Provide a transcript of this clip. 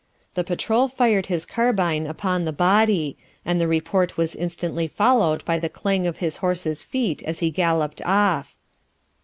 The patrol fired his carabine upon the body, and the report was instantly followed by the clang of his horse's feet as he galloped off.